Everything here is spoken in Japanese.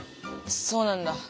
そうなんだ。